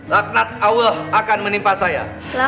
laknat allah akan menimpa saya